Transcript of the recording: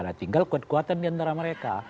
nah tinggal kuat kuatan di antara mereka